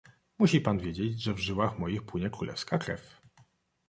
"Musi pan wiedzieć, że w żyłach moich płynie królewska krew."